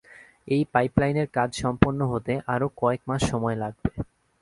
এই পাইপ লাইনের কাজ সম্পন্ন হতে আরও কয়েক মাস সময় লাগবে।